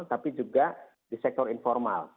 tapi juga di sektor informal